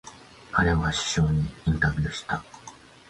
彼は首相にインタビューした。